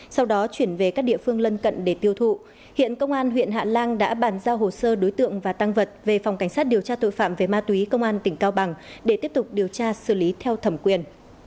sau đó chuyển về các địa phương lân cận để tiêu thụ hiện công an huyện hạ lan đã bàn giao hồ sơ đối tượng và tăng vật về phòng cảnh sát điều tra tội phạm về ma túy công an tỉnh cao bằng để tiếp tục điều tra xử lý theo thẩm quyền